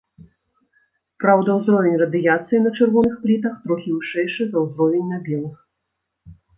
Праўда, узровень радыяцыі на чырвоных плітах трохі вышэйшы за ўзровень на белых.